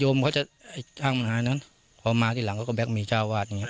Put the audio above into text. โยมก็จะช่างมื้อไงเมื่อมาทีหลังก็แบบกับเพียงมีเจ้าวาดเนี้ย